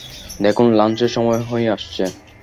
দেখুন, লাঞ্চের সময় হয়ে আসছে।